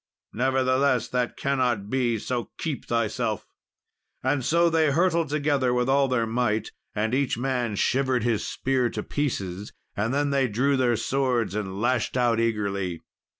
Nevertheless, that cannot be, so keep thyself." And so they hurtled together with all their might, and each man shivered his spear to pieces; and then they drew their swords and lashed out eagerly.